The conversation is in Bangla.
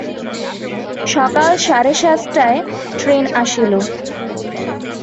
সকাল সাড়ে সাতটায় ট্রেন আসিল।